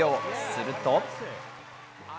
すると。